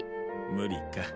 無理か